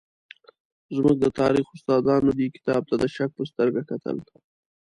زموږ د تاریخ استادانو دې کتاب ته د شک په سترګه کتل.